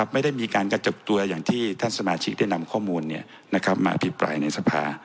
ไม่ได้มีการกระจุบตัวอย่างที่ท่านสมาชิกได้นำข้อมูลมาอภิปรายในสภา